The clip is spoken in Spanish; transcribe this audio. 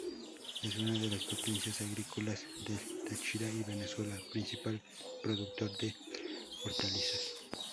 Es una de las potencias agrícolas del Táchira y Venezuela, principal productor de hortalizas.